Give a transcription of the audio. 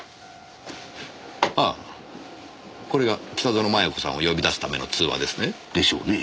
ああこれが北薗摩耶子さんを呼び出すための通話ですね。でしょうね。